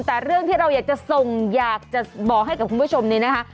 แต่เรื่องที่เราอยากจะส่งอยากจะบอกให้กับคุณผู้ชมนี้นะคะ